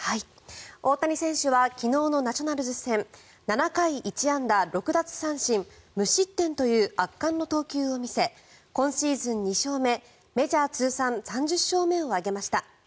大谷選手は昨日のナショナルズ戦７回１安打６奪三振無失点という圧巻の投球を見せ今シーズン２勝目メジャー通算３０勝目を挙げました。